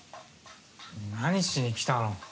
何しにきたの？